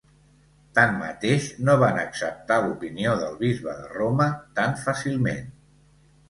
Tanmateix, no van acceptar l'opinió del bisbe de Roma tan fàcilment.